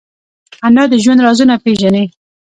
انا د ژوند رازونه پېژني